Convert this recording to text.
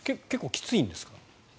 結構、きついんですか？